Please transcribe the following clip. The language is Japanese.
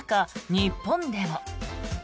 日本でも。